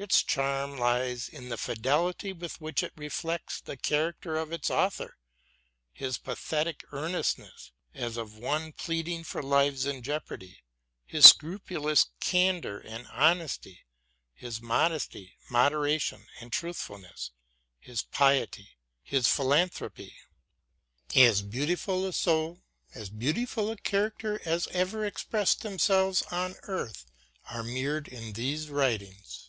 Its charm lies in the fidelity with which it reflects the character of its author, his pathetic earnestness, as of one pleading for lives in jeopardy, his scrupulous candour and honesty, his modesty, itnoderation, and truthfulness, his piety, his philanthropy. As beautiful a soul, as beautiful a character as ever expressed themselves on earth are mirrored in these writings.